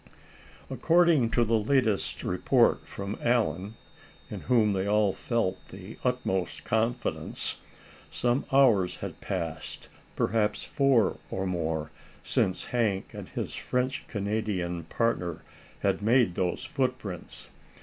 According to the latest report from Allan, in whom they all felt the utmost confidence, some hours had passed, perhaps four or more, since Hank and his French Canadian partner had made those footprints.